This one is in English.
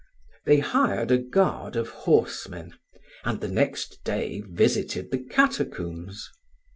They hired a guard of horsemen, and the next day visited the catacombs.